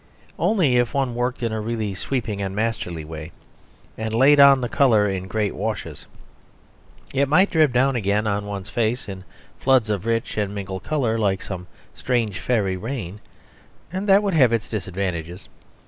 Only if one worked in a really sweeping and masterly way, and laid on the colour in great washes, it might drip down again on one's face in floods of rich and mingled colour like some strange fairy rain; and that would have its disadvantages.